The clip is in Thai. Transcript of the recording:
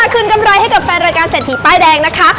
คืนกำไรให้กับแฟนรายการเศรษฐีป้ายแดงนะคะ